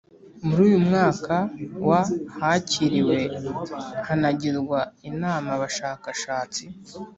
Muri uyu mwaka wa hakiriwe hanagirwa inama abashakashatsi